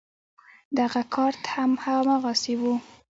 دغه کارت هم هماغسې و.